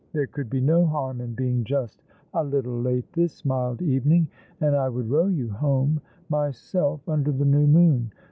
There could be no harm in being just a little late this mild evening, and I would row you home — myself, under the new moon.